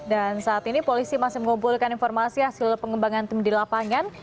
dan saat ini polisi masih mengumpulkan informasi hasil pengembangan tim di lapangan